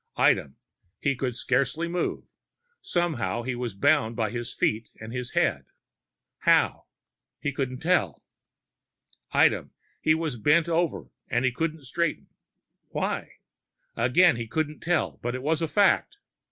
Item: he could scarcely move. Somehow he was bound by his feet and his head. How? He couldn't tell. Item: he was bent over and he couldn't straighten. Why? Again he couldn't tell, but it was a fact.